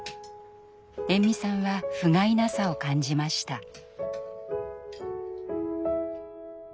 延味さんはふがいなさを感じました。